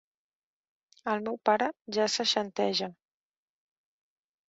El meu pare ja seixanteja.